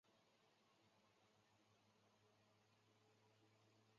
匈牙利安茄王朝自此结束。